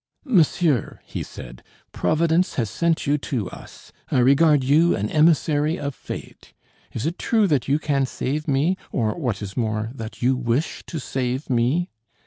"Monsieur," he said, "Providence has sent you to us. I regard you an emissary of fate. Is it true that you can save me, or, what is more, that you wish to save me?"